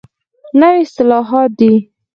نوي اصطلاحات دي.